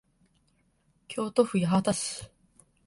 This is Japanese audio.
京都府八幡市